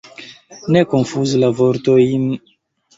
Ne konfuzu la vortojn!